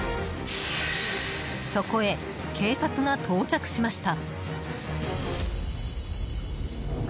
そこへ、警察が到着しました。